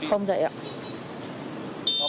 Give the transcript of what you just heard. không dạy ạ